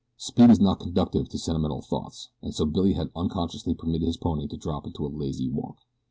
Speed is not conducive to sentimental thoughts and so Billy had unconsciously permitted his pony to drop into a lazy walk.